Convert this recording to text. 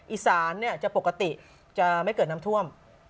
อีสานจะปกติจะไม่เกิดน้ำท่วม